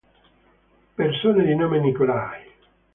Persone di nome Nikolaj